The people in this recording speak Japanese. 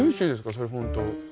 それ本当。